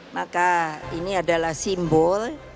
maka ini adalah simbol